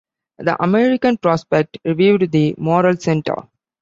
"The American Prospect" reviewed "The Moral Center".